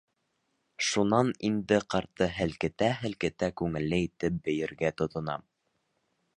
Шунан инде ҡартты һелкетә-һелкетә күңелле итеп бейергә тотона.